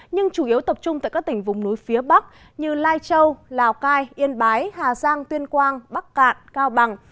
nhưng chủ yếu tập trung tại các tỉnh vùng núi phía bắc như lai châu lào cai yên bái hà giang tuyên quang bắc cạn cao bằng